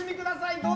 どうぞ！